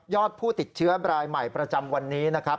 ผู้ติดเชื้อรายใหม่ประจำวันนี้นะครับ